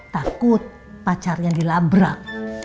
takut pacarnya dilabrak